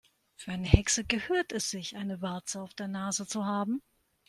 Für eine Hexe gehört es sich, eine Warze auf der Nase zu haben.